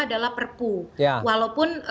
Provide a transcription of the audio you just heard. adalah perpu walaupun